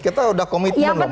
kita sudah komitmen loh masa hari